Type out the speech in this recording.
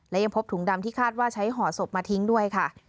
และยังพบถุงดำที่คาดว่าใช้ห่อศพมาทิ้งด้วยค่ะ